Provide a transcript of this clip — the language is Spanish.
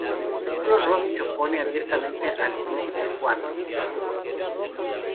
Solo Robin se opone abiertamente al Príncipe Juan.